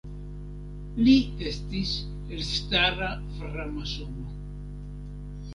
Li estis elstara framasono.